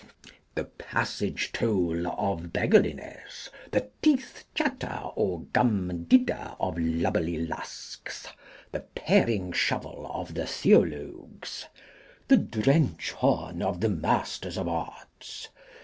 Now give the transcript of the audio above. The Passage toll of Beggarliness. The Teeth chatter or Gum didder of Lubberly Lusks. The Paring shovel of the Theologues. The Drench horn of the Masters of Arts.